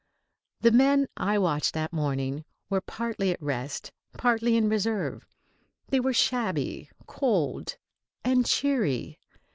The men I watched that morning were partly on rest, partly in reserve. They were shabby, cold and cheery.